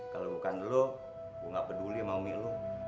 kalau bukan lo gue nggak peduli sama umi lo